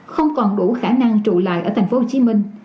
không còn đủ khả năng trụ lại ở thành phố hồ chí minh